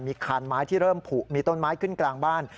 มีคานไม้ที่เริ่มผูกมีต้นไม้ขึ้นกลางบ้าน